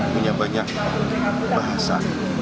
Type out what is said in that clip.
punya banyak bahasa